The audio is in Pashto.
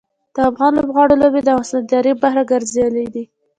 د افغان لوبغاړو لوبې د افغانستان د تاریخ برخه ګرځېدلي دي.